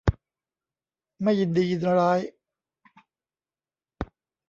ไม่ยินดียินร้าย